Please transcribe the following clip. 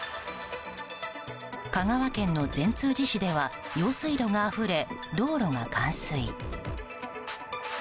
香川県の善通寺市では用水路があふれ道路が冠水。